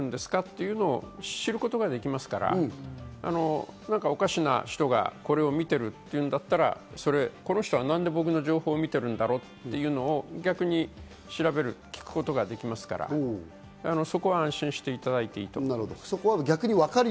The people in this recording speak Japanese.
っていうのを知ることができますから、おかしな人がこれを見てるっていうんだったら、この人は何で僕の情報を見てるんだろうっていうのを逆に調べる、聞くことができますから、そこは安心していただいていいと思います。